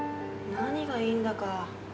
何がいいんだか。